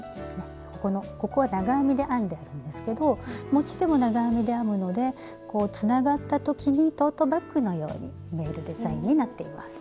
ここのここは長編みで編んであるんですけど持ち手も長編みで編むのでこうつながった時にトートバッグのように見えるデザインになっています。